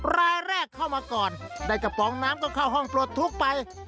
รายแรกเข้ามาก่อนได้กระป๋องน้ำก็เข้าห้องปลดทุกข์ไป